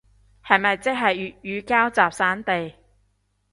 係咪即係粵語膠集散地